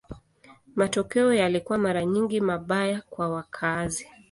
Matokeo yalikuwa mara nyingi mabaya kwa wakazi.